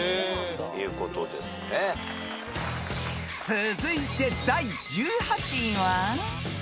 ［続いて第１８位は］